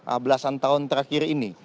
belasan tahun terakhir ini